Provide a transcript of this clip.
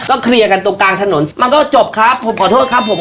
เคลียร์กันตรงกลางถนนมันก็จบครับผมขอโทษครับผม